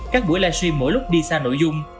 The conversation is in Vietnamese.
các buổi live stream mỗi lúc đi xa nội dung